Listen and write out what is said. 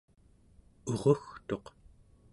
urugtuq